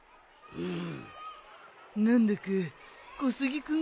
うん。